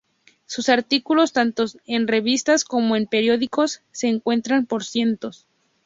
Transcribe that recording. Sus artículos, tanto en revistas como en periódicos, se cuentan por cientos.